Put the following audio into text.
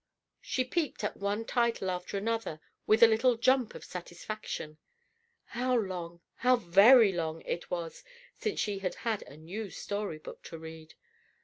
She peeped at one title after another with a little jump of satisfaction. How long, how very long it was since she had had a new story book to read.